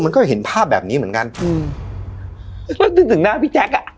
มันก็เห็นภาพแบบนี้เหมือนกันอืมก็นึกถึงนะพี่แจ๊คอ่ะ